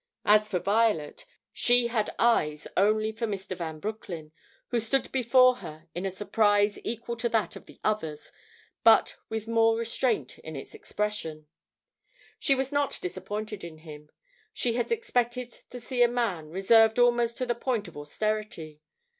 As for Violet, she had eyes only for Mr. Van Broecklyn who stood before her in a surprise equal to that of the others but with more restraint in its expression. She was not disappointed in him. She had expected to see a man, reserved almost to the point of austerity.